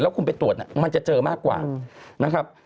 คุณไปตรวจมันจะเจอมากกว่านะครับ